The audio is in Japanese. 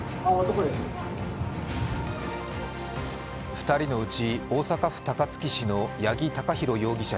２人のうち大阪府高槻市の八木貴寛容疑者